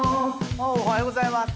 おはようございます。